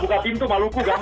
buka pintu maluku gampang